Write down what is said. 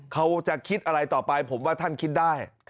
เขาจะคิดอะไรต่อไปผมว่าท่านคิดได้